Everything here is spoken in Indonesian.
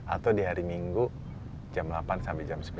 atau di hari minggu jam delapan sampai jam sepuluh